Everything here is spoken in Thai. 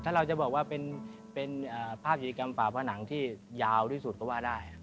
ถ้าเราจะบอกว่าเป็นภาพกิจกรรมฝ่าผนังที่ยาวที่สุดก็ว่าได้